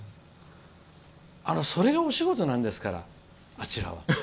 それがお仕事なんですからあちらは。